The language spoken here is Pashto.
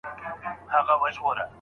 د خصوصي سکتور رول ډېر مهم دی.